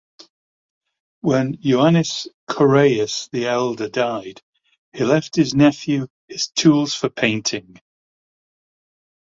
When Ioannis Korais the elder died he left his nephew his tools for painting.